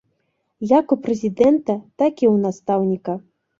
Як у прэзідэнта, так і ў настаўніка.